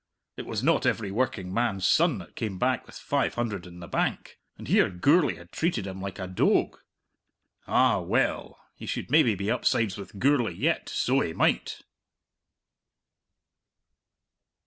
It was not every working man's son that came back with five hundred in the bank. And here Gourlay had treated him like a doag! Ah, well, he would maybe be upsides with Gourlay yet, so he might!